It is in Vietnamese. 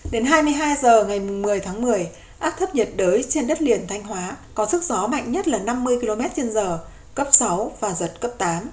đến hai mươi hai h ngày một mươi tháng một mươi áp thấp nhiệt đới trên đất liền thanh hóa có sức gió mạnh nhất là năm mươi km trên giờ cấp sáu và giật cấp tám